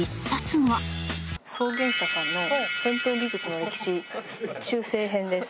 創元社さんの『戦闘技術の歴史中世編』です。